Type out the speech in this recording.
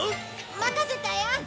任せたよ！